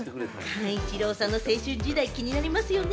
寛一郎さんの青春時代、気になりますね。